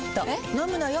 飲むのよ。